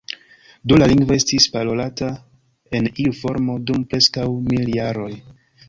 Do la lingvo estis parolata en iu formo dum preskaŭ mil jaroj.